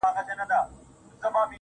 ږغ مي بدل سويدی اوس~